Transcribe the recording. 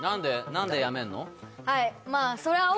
何で辞めるの？